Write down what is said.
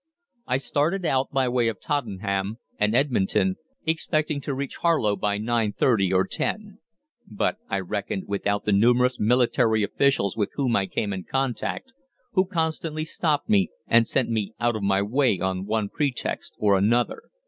I started out by way of Tottenham and Edmonton, expecting to reach Harlow by 9.30 or 10. But I reckoned without the numerous military officials with whom I came in contact, who constantly stopped me and sent me out of my way on one pretext or another.